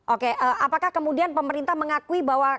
oke apakah kemudian pemerintah mengakui bahwa